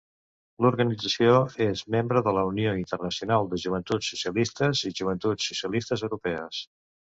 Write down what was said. L'organització és membre de la Unió Internacional de Joventuts Socialistes i Joventuts Socialistes Europees.